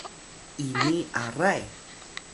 ini aray